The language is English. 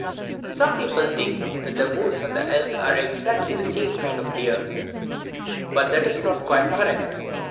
Some people think that the moose and the elk are exactly the same kind of deer, but that is not quite correct.